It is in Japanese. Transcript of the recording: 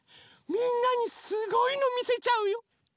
みんなにすごいのみせちゃうよ！